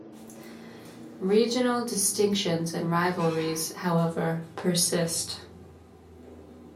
Regional distinctions and rivalries, however, persist.